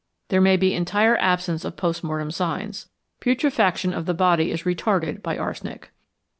There may be entire absence of post mortem signs. Putrefaction of the body is retarded by arsenic.